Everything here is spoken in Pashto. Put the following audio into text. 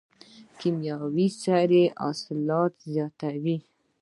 کیمیاوي سره حاصلات زیاتوي.